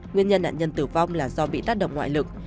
nguyên nhân nạn nhân tử vong là do bị tác động ngoại lực